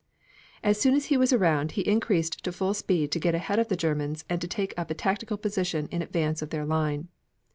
As soon as he was around he increased to full speed to get ahead of the Germans and take up a tactical position in advance of their line.